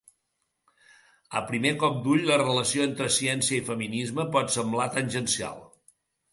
A primer cop d’ull, la relació entre ciència i feminisme pot semblar tangencial.